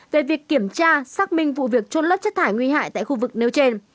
về việc kiểm tra xác minh vụ việc trôn lớp chất thải nguy hại tại khu vực nếu trên